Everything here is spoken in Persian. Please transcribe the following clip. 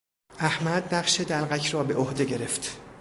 احمد نقش دلقک را به عهده گرفت.